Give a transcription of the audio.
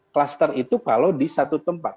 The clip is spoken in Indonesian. kluster itu kalau di satu tempat